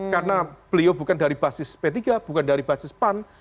karena beliau bukan dari basis p tiga bukan dari basis pan